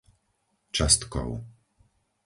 Častkov